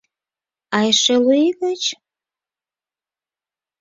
А эше лу ий гыч?